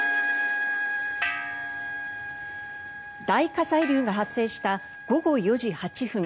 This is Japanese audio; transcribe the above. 大火砕流が発生した午後４時８分